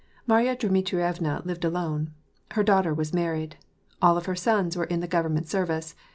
Marya Dmitrievna lived alone. Her daughter was married. All of her sons were in the government service.